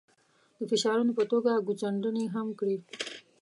د فشارونو په توګه ګوتڅنډنې هم کړي.